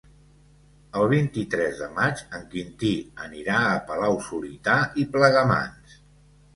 El vint-i-tres de maig en Quintí anirà a Palau-solità i Plegamans.